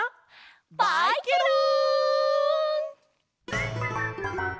バイケロン！